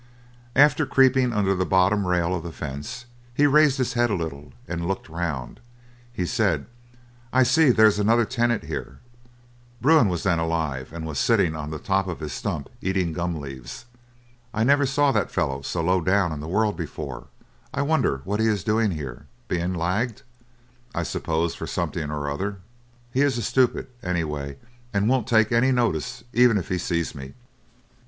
After creeping under the bottom rail of the fence, he raised his head a little, and looked round. He said, "I see there's another tenant here" Bruin was then alive and was sitting on the top of his stump eating gum leaves "I never saw that fellow so low down in the world before; I wonder what he is doing here; been lagged, I suppose for something or other. He is a stupid, anyway, and won't take any notice even if he sees me."